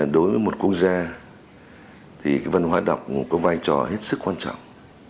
đối với một quốc gia thì văn hóa đọc có vai trò hết sức quan trọng